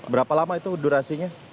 berapa lama itu durasinya